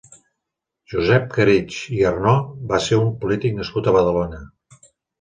Josep Caritg i Arnó va ser un polític nascut a Badalona.